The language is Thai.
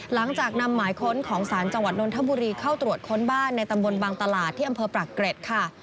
หลังจากนำหมายค้นของสารจังหวัดนทบุรีเข้าตรวจค้นบ้านในตำบลบางตลาดที่อำเภอปรักเกร็ดค่ะ